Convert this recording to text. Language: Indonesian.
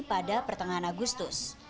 pada pertengahan agustus